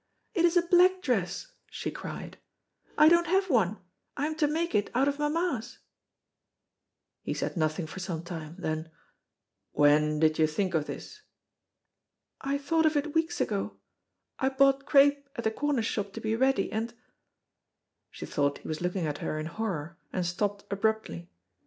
"It is a black dress," she cried, "I don't have one, I am to make it out of mamma's." He said nothing for some time, then "When did you think of this?" "I thought of it weeks ago, I bought crape at the corner shop to be ready, and " She thought he was looking at her in horror, and stopped abruptly.